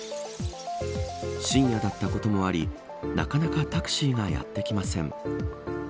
深夜だったこともありなかなかタクシーがやってきません。